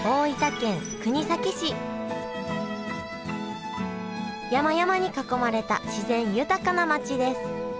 山々に囲まれた自然豊かな町です